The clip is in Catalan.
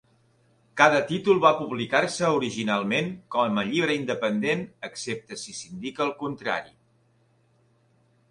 Cada títol va publicar-se originalment com a llibre independent excepte si s'indica el contrari.